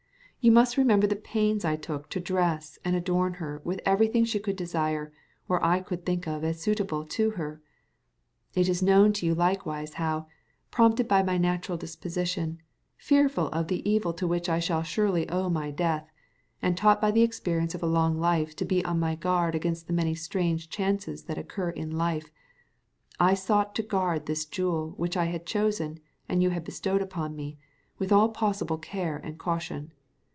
You must remember the pains I took to dress and adorn her with everything she could desire or I could think of as suitable to her. It is known to you likewise how, prompted by my natural disposition, fearful of the evil to which I shall surely owe my death, and taught by the experience of a long life to be on my guard against the many strange chances that occur in life, I sought to guard this jewel which I had chosen and you had bestowed upon me, with all possible care and caution.